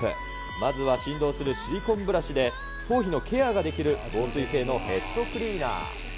まずは振動するシリコンブラシで、頭皮のケアができる防水性のヘッドクリーナー。